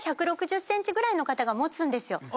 １６０ｃｍぐらいの方が持つんですよ。